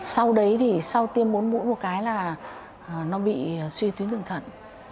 sau đấy thì sau tiêm bốn mũi một cái là nó bị suy tuyến đường thận